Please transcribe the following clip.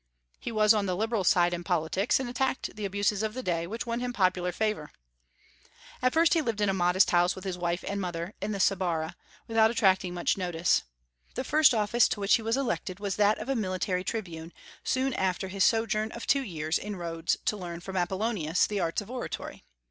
He was on the liberal side in politics, and attacked the abuses of the day, which won him popular favor. At first he lived in a modest house with his wife and mother, in the Subarra, without attracting much notice. The first office to which he was elected was that of a Military Tribune, soon after his sojourn of two years in Rhodes to learn from Apollonius the arts of oratory.